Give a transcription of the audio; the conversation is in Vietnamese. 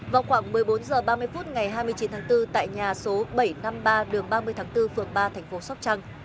vào khoảng một mươi bốn h ba mươi phút ngày hai mươi chín tháng bốn tại nhà số bảy trăm năm mươi ba đường ba mươi tháng bốn phường ba tp hcm